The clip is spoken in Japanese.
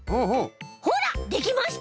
ほらできました！